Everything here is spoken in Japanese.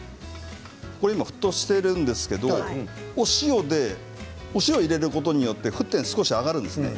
これ沸騰しているんですけれどお塩を入れることによって沸点が少し上がるんですね。